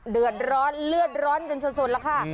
เดือดร้อนเลือดร้อนกันสุดแล้วค่ะ